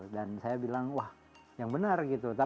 dan saya bilang wah yang benar gitu